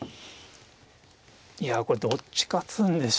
いやこれどっち勝つんでしょうね。